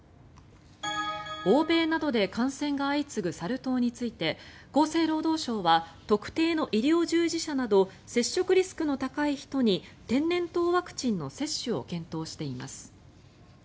欧米などで感染が相次ぐサル痘について厚生労働省は特定の医療従事者など接触リスクの高い人に天然痘ワクチンの接種を検討しています。